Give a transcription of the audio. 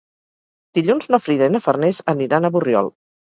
Dilluns na Frida i na Farners aniran a Borriol.